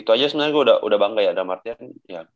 itu aja sebenarnya gue udah bangga ya dalam artian